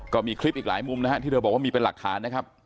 ก็มีคลิปอีกหลายมุมนะฮะที่เธอบอกว่ามีเป็นหลักฐานนะครับ